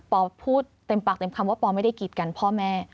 พูดเต็มปากเต็มคำว่าปอไม่ได้กีดกันพ่อแม่